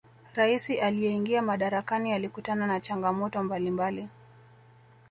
raisi aliyeingia madarakani alikutana na changamoto mbalimbali